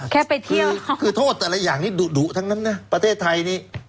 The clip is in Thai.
แค่ไปเที่ยวคือโทษแต่ละอย่างนี้ดุทั้งนั้นนะประเทศไทยนี้